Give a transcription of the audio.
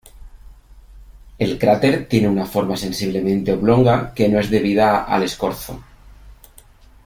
El cráter tiene una forma sensiblemente oblonga que no es debida al escorzo.